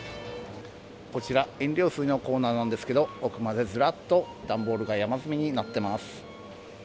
こちら飲料水のコーナーなんですけど、奥までずらっと段ボールが山積みになっています。